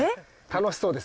楽しそうです。